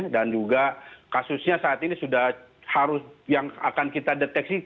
dan juga kasusnya saat ini sudah harus yang akan kita deteksi